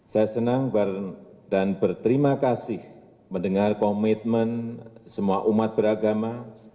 saya senang dan berterima kasih mendengar komitmen semua umat beragama